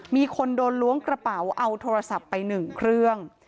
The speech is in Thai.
มีคนโดนล้วงกระเป๋าเอาโทรศัพท์ไป๑เครื่อง